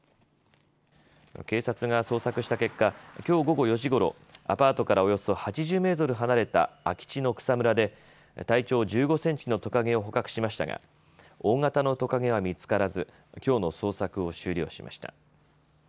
警察が捜索した結果、きょう午後４時ごろ、アパートからおよそ８０メートル離れた空き地の草むらで体長１５センチのトカゲを捕獲しましたが大型のトカゲは見つからず、きょうの捜索を終了しました。